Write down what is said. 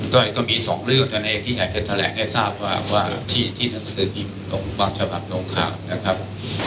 ก็อีกก็มีสองเรื่องที่จะแสดงให้ทราบว่าว่าที่ที่นักศึกิมตรงบางฉบับโรงข่าวนะครับ